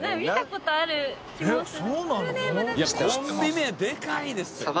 コンビ名はでかいですって。